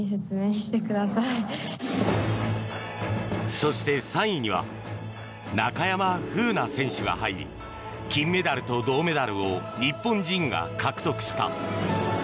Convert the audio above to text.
そして、３位には中山楓奈選手が入り金メダルと銅メダルを日本人が獲得した。